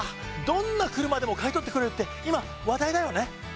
どんな車でも買い取ってくれるって今話題だよね。